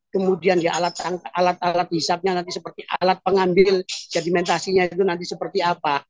kemudian ya alat alat hisapnya nanti seperti alat pengambil sedimentasinya itu nanti seperti apa